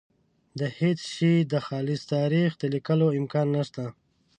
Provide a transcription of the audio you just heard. د هېڅ شي د خالص تاریخ د لیکلو امکان نشته.